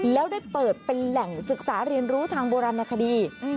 แล้วได้เปิดเป็นแหล่งศึกษาเรียนรู้ทางโบราณคดี